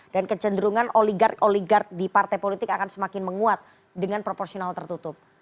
dan kecenderungan oligark oligark di partai politik akan semakin menguat dengan proporsional tertutup